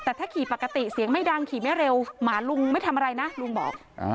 แต่ถ้าขี่ปกติเสียงไม่ดังขี่ไม่เร็วหมาลุงไม่ทำอะไรนะลุงบอก